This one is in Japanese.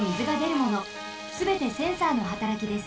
すべてセンサーのはたらきです。